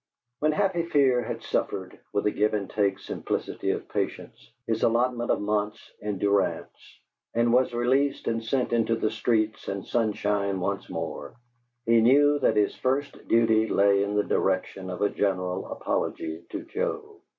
When Happy Fear had suffered with a give and take simplicity of patience his allotment of months in durance, and was released and sent into the streets and sunshine once more, he knew that his first duty lay in the direction of a general apology to Joe.